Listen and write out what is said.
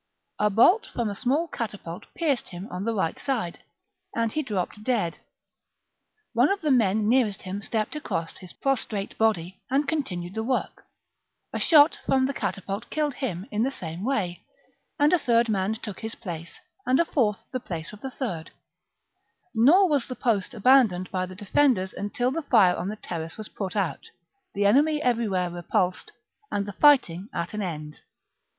A bolt from a small catapult ^ pierced him on the right side, and he dropped dead. One of the men nearest him stepped across his pros trate body and continued the work ; a shot from the catapult killed him in the same way, and a third man took his place, and a fourth the place of the third ; nor was the post abandoned by the defenders until the fire on the terrace was put out, the enemy everywhere repulsed, and the fighting at an end.